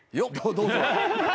どうぞ。